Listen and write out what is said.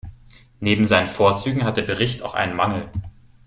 Neben seinen Vorzügen hat der Bericht auch einen Mangel.